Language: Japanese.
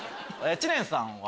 知念さんは？